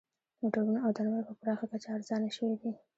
موټرونه او درمل په پراخه کچه ارزانه شوي دي